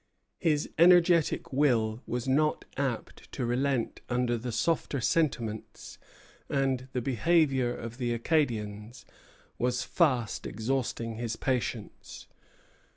His energetic will was not apt to relent under the softer sentiments, and the behavior of the Acadians was fast exhausting his patience.